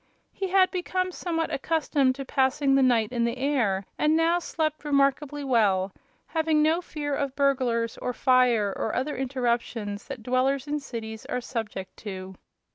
He had become somewhat accustomed to passing the night in the air and now slept remarkably well, having no fear of burglars or fire or other interruptions that dwellers in cities are subject to.